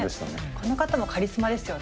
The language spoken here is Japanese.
この方もカリスマですよね。